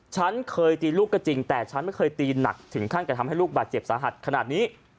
ฉันเคยตีลูกก็จริงแต่ฉันไม่เคยตีหนักถึงขั้นกระทำให้ลูกบาดเจ็บสาหัสขนาดนี้